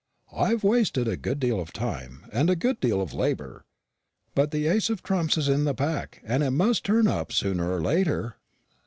I've wasted a good deal of time, and a good deal of labour; but the ace of trumps is in the pack, and it must turn up sooner or later.